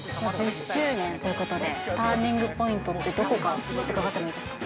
１０周年ということで、ターニングポイントってどこか伺っていいですか。